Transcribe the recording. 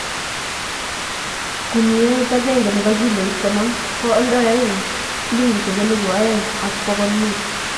guniet agenge nebo kiloit konom ko oldoen silingisiek elipu aeng ak bokol mut